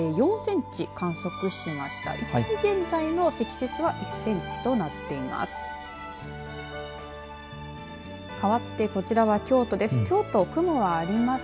１０時現在の積雪は１センチとなっています。